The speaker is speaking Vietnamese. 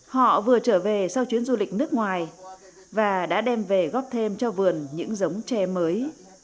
họ vừa trở về sau chuyến du lịch nước ngoài và đã đem về góp thêm cho vườn những giống tre mới